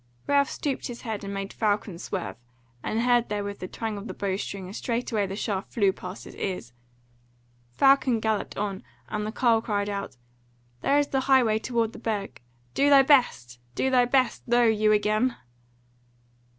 Ralph stooped his head and made Falcon swerve, and heard therewith the twang of the bowstring and straightway the shaft flew past his ears. Falcon galloped on, and the carle cried out: "There is the highway toward the Burg! Do thy best, do thy best! Lo you again!"